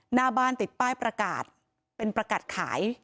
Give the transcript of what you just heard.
หน้าบ้านติดป้ายประกาศเป็นประกาศขาย